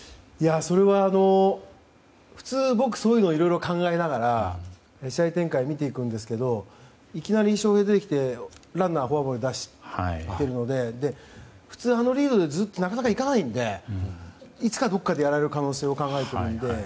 それは普通、僕はそういうのをいろいろ考えながら試合展開を見ていくんですけどいきなり、翔平が出てきてランナーにフォアボール出してるので普通、あのリードではなかなか行かないのでいつかどこかでやられる可能性を考えてるので。